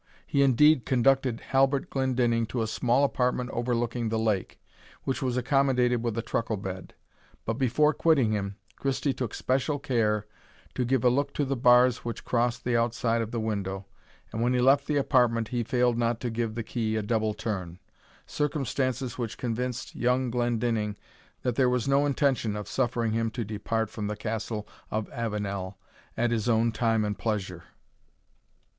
He indeed conducted Halbert Glendinning to a small apartment overlooking the lake, which was accommodated with a truckle bed. But before quitting him, Christie took special care to give a look to the bars which crossed the outside of the window, and when he left the apartment, he failed not to give the key a double turn; circumstances which convinced young Glendinning that there was no intention of suffering him to depart from the Castle of Avenel at his own time and pleasure.